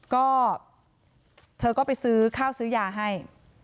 ก็เธอก็ไปซื้อข้าวซื้อยาให้